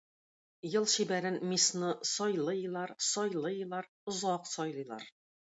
Ел чибәрен, миссны сайлыйлар, сайлыйлар, озак сайлыйлар.